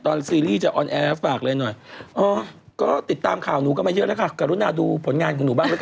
มันเป็นชะนีที่แบบได้ใจจริงเธอนางจะขั้นเจนมาห้างเลย